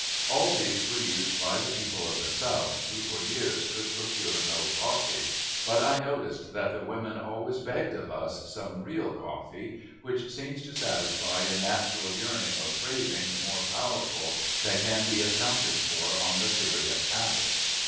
All these were used by the people of the South, who for years could procure no coffee, but I noticed that the women always begged of us some real coffee, which seems to satisfy a natural yearning or craving more powerful than can be accounted for on the theory of habit.